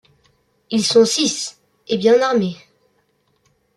Ils sont six et bien armés